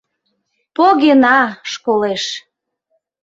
— Погена... школеш.